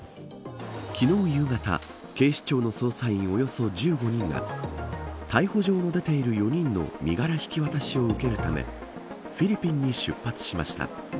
昨日夕方警視庁の捜査員およそ１５人が逮捕状の出ている４人の身柄引き渡しを受けるためフィリピンに出発しました。